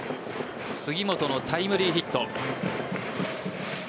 杉本のタイムリーヒット。